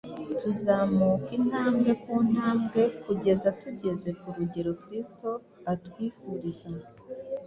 Tuzamuka intambwe ku ntambwe kugeza tugeze ku rugero Kristo atwifuriza.